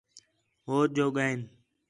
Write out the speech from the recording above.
ہوچ جو ڳئین